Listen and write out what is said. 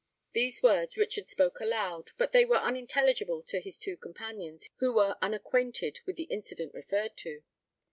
These words Richard spoke aloud; but they were unintelligible to his two companions, who were unacquainted with the incident referred to.